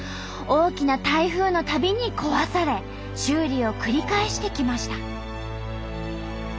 大きな台風のたびに壊され修理を繰り返してきました。